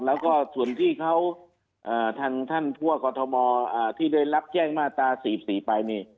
แล้วก็ส่วนที่เขาทางท่านผู้ว่ากรทมที่ได้รับแจ้งมาตรา๔๔ไปนี่